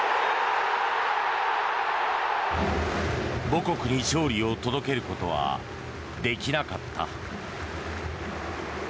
母国に勝利を届けることはできなかった。